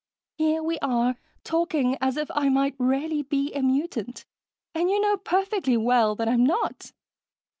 Here we are, talking as if I might really be a mutant, and you know perfectly well that I'm not."